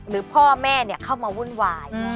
หรือพ่อแม่เข้ามาวุ่นวาย